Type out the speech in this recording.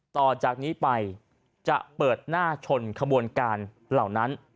ต่อจากนี้ไปจะเปิดหน้าชนขบวนการเหล่านั้น